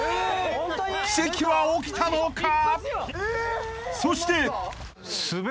［奇跡は起きたのか！？］